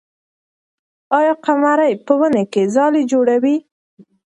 آیا قمري په ونې کې ځالۍ جوړوي؟